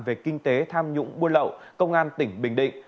về kinh tế tham nhũng buôn lậu công an tỉnh bình định